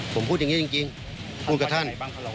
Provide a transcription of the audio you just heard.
ผมพูดอย่างนี้จริงพูดกับท่าน